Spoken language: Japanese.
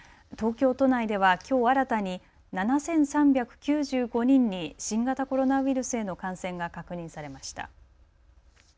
東京都内ではきょう新たに７３９５人に新型コロナウイルスへの感染が確認されました。